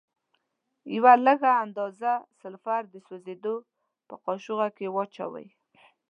یوه لږه اندازه سلفر د سوځیدو په قاشوغه کې واچوئ.